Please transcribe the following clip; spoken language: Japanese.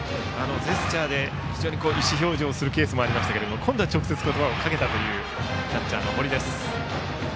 ジェスチャーで意思表示をするケースもありましたが今度は直接言葉をかけたキャッチャーの堀です。